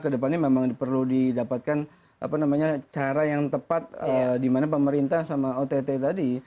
kedepannya memang perlu didapatkan apa namanya cara yang tepat dimana pemerintah sama ott tadi